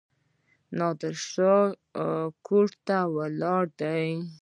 نادر شاه کوټ لاره ده؟